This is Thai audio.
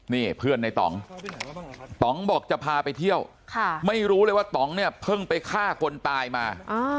นี่เพื่อนในต่องต่องบอกจะพาไปเที่ยวไม่รู้เลยว่าต่องเนี่ยเพิ่งไปฆ่าคนตายมา